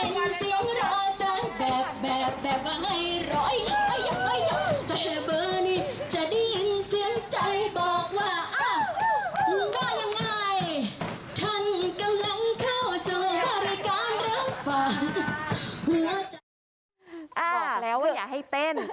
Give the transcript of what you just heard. บอกแล้วว่าอย่าให้เต้น